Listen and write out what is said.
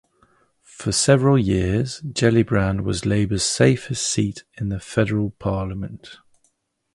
For several years, Gellibrand was Labor's safest seat in the Federal Parliament.